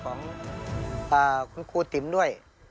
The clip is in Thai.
คุณครูติ๋มด้วย